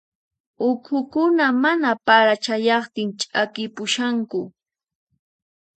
Uqhukuna mana para chayaqtin ch'akipushanku.